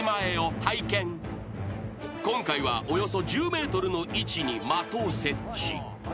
［今回はおよそ１０ｍの位置に的を設置］